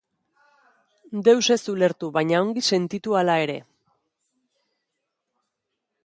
Deus ez ulertu, baina ongi sentitu hala ere.